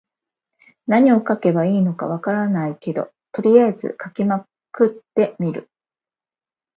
何を書けばいいのか分からないけど、とりあえず書きまくってみる。